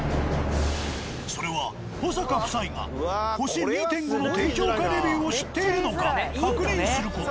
それは保坂夫妻が星２．５の低評価レビューを知っているのか確認する事。